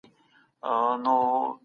زه د خپل ملګري مرسته کوم.